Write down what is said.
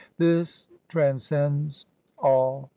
This tran scends all.